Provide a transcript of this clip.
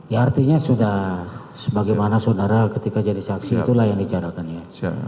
ya artinya sudah sebagaimana saudara ketika jadi saksi itulah yang dicarakannya